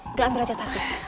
udah ambil aja tasnya